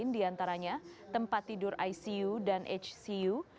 diantaranya tempat tidur icu dan hcu